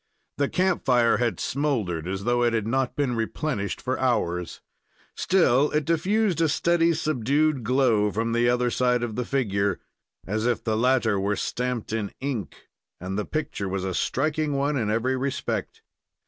The camp fire had smoldered as though it had not been replenished for hours. Still it diffused a steady, subdued glow, from the other side of the figure, as if the latter were stamped in ink, and the picture was a striking one in every respect.